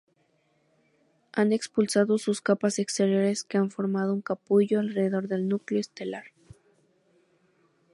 Ha expulsado sus capas exteriores que han formado un "capullo" alrededor del núcleo estelar.